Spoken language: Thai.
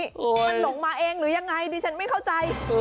มันหลงมาเองหรือยังไงดิฉันไม่เข้าใจ